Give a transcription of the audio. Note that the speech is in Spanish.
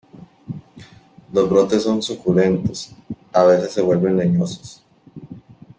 Los brotes son suculentos, a veces se vuelven leñosos.